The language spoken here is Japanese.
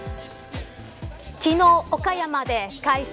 昨日、岡山で開催